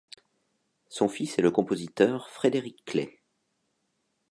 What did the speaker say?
Son fils est le compositeur Frederic Clay.